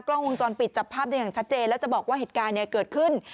กล้องวงจรปิดจับภาพได้อย่างชัดเจนแล้วจะบอกว่าเหตุการณ์เนี่ยเกิดขึ้น